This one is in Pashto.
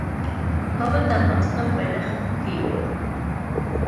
کابل د افغانستان پايتخت دی.